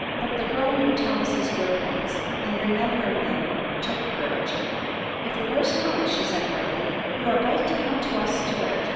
But the girl knew Thomas' good points, and remembering them, took courage. "If the worst comes," she said, brightly, "you are both to come to us to live.